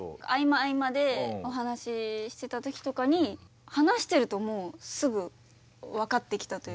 合間合間でお話ししてたときとかに話してるともうすぐ分かってきたというか。